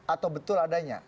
atau betul adanya